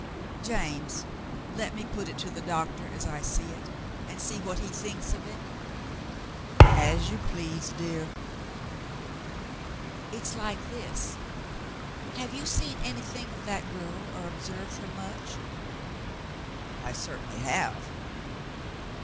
James, let me put it to the doctor as I see it, and see what he thinks of it." "As you please, dear." It's like this. Have you seen anything of that girl or observed her much ?" "I certainly have."